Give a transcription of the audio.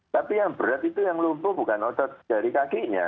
tapi yang berat itu yang lumpuh bukan otot dari kakinya